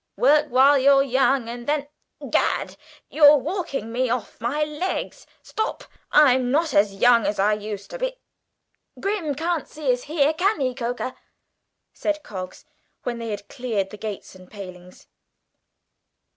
Work while you're young, and then Gad, you're walking me off my legs. Stop; I'm not as young as I used to be " "Grim can't see us here, can he, Coker?" said Coggs when they had cleared the gates and palings.